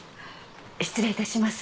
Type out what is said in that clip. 失礼いたします。